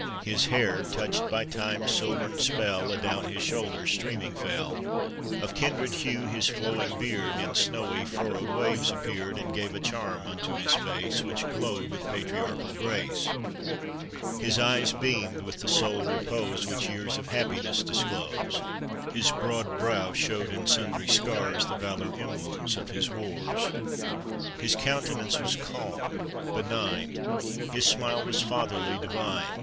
His hair, touched by Time's silvern spell, Adown his shoulders streaming fell ; Of kindred hue his flowing beard POETRY ON OR ABOUT THE MACL.BAHS. In snowy, furrowed waves appeared, And gave a charm unto his face, "Which glowed with patriarchal grace, ^His eyes beamed with the soul repose Which years of happiness disclose; His broad brow showed in sundry scars The valor emblems of his wars; His countenance was calm, benign, His smile was fatherly, divine.